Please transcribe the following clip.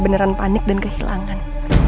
beneran panik dan kehilangan